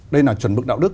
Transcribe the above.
đây là chuẩn mực đạo đức